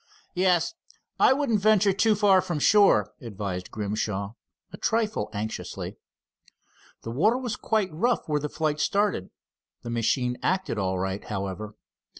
"Yes, I wouldn't venture too far from shore," advised Grimshaw, a trifle anxiously. The water was quite rough where the flight started. The machine acted all right, however.